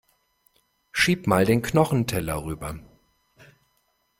Schieb mal den Knochenteller rüber.